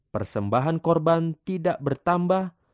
persembahan korban tidak bertambah